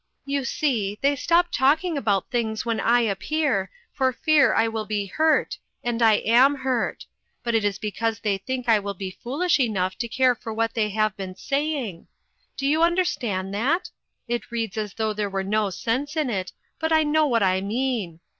You see, they stop talking about things when I appear, for fear I will be hurt, and I am hurt ; but it is because they think I will be foolish enough to care for what they have been saying. Do you understand that? It reads as though there were no sense in it; but I know what I mean.